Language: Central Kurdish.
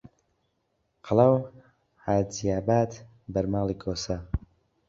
قەڵا و حاجیاباد بەر ماڵی کۆسە